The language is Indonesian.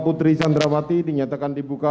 putri candrawati dinyatakan dibuka